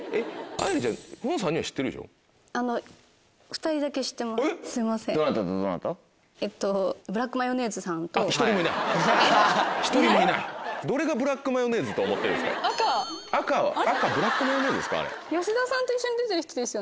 赤ブラックマヨネーズですか？